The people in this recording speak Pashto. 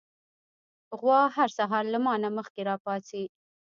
غوا هر سهار له ما نه مخکې راپاڅي.